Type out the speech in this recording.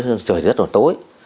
trời rất là tối